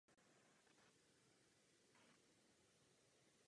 Naši zástupci v parlamentu nedrží v rukou naši svobodu.